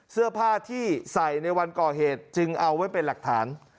เสื้อผ้าที่ใส่ในวันก่อเหตุจึงเอาไว้เป็นหลักฐาน